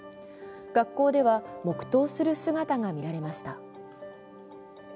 学校では黙とうする姿が見られました。